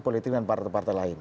politik dan partai partai lain